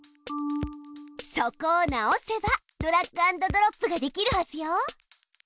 そこを直せばドラッグアンドドロップができるはずよ。